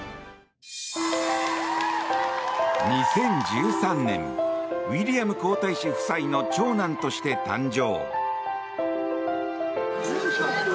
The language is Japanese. ２０１３年ウィリアム皇太子夫妻の長男として誕生。